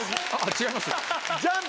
違います？